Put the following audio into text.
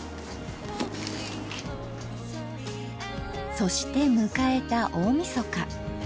そして迎えた大みそか。